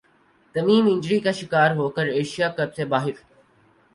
تمیم injury کا شکار ہو کر ایشیا کپ سے باہر